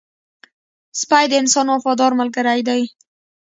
سپی د انسان وفادار ملګری دی